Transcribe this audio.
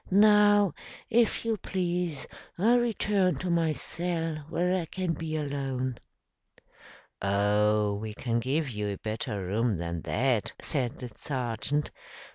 "Now, if you please, I'll return to my cell where I can be alone." "Oh, we can give you a better room than that," said the sergeant.